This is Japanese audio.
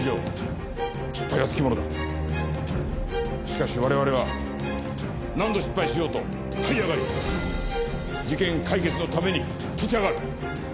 しかし我々は何度失敗しようと這い上がり事件解決のために立ち上がる。